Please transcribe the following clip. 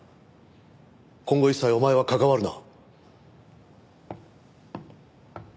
今後一切お前は関わるな。